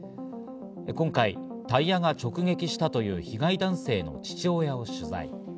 今回タイヤが直撃したという被害男性の父親を取材。